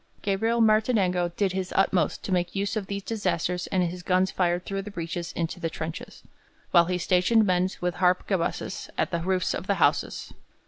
Gabriel Martinengo did his utmost to make use of these disasters and his guns fired through the breaches into the trenches, while he stationed men with harquebuses on the roofs of the houses.